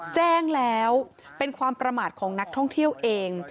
แจ้งแล้วเป็นความประมาทของนักท่องเที่ยวเอง